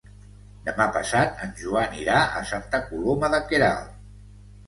Demà passat en Joan irà a Santa Coloma de Queralt.